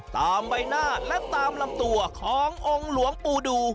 ตามใบหน้าและตามลำตัวขององค์หลวงปู่ดู